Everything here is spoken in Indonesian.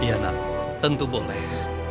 iya nak tentu boleh